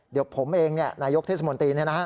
เดี๋ยวผมเองนายกเทศมนตรี